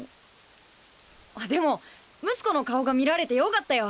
でも睦子の顔が見られてよかったよ。